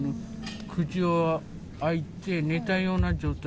口を開いて、寝たような状態。